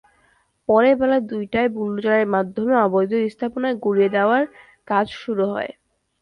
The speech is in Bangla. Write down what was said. পরে বেলা দুইটায় বুলডোজারের মাধ্যমে অবৈধ স্থাপনা গুঁড়িয়ে দেওয়ার কাজ শুরু হয়।